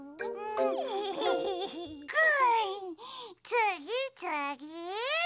つぎつぎ！